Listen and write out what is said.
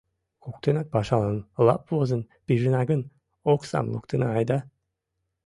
Коктынат пашалан лап возын пижына гын, оксам луктына айда.